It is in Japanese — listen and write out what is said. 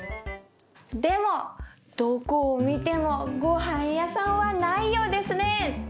でもどこを見ても御飯屋さんはないようですね。